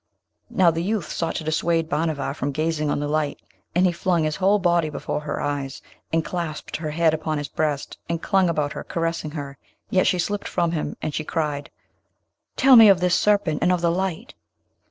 Now the youth sought to dissuade Bhanavar from gazing on the light, and he flung his whole body before her eyes, and clasped her head upon his breast, and clung about her, caressing her; yet she slipped from him, and she cried, 'Tell me of this serpent, and of this light.'